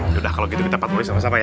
yaudah kalau gitu kita patroli sama sama ya